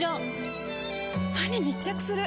歯に密着する！